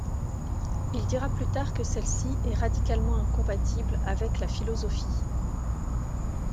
Il dira plus tard que celle-ci est radicalement incompatible avec la philosophie.